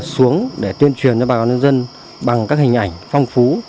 xuống để tuyên truyền cho bà con nhân dân bằng các hình ảnh phong phú